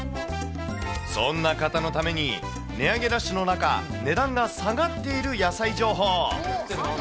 そんな方のために、値上げラッシュの中、値段が下がっている野菜情報。